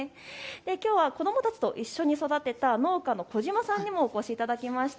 きょうは子どもたちと一緒に育てた農家の小嶋さんにもお越しいただきました。